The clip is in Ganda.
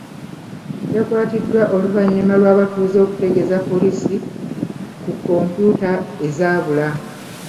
Yakwatiddwa oluvannyuma lw'abatuuze okutegeeza poliisi ku kompyuta ezaabula.